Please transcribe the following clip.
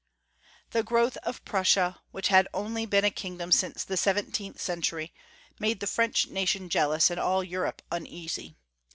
THE growth of Prussia, which had only been a kingdom since the seventeenth century, made the French nation jealous and all Europe uneasy.